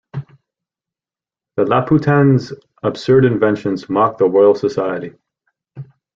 The Laputans' absurd inventions mock the Royal Society.